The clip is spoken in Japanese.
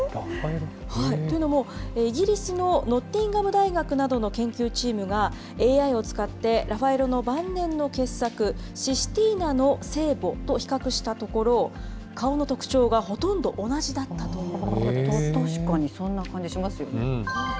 というのも、イギリスのノッテンガム大学などの研究チームが、ＡＩを使ってラファエロの晩年の傑作、システィーナの聖母と比較したところ、顔の特徴がほとんど同じだ確かにそんな感じしますよね。